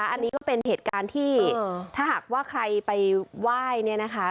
อันนี้ก็เป็นเหตุการณ์ที่ถ้าหากว่าใครไปไหว้เนี่ยนะคะ